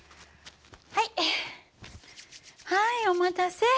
はいはいお待たせ。